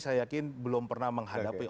saya yakin belum pernah menghadapi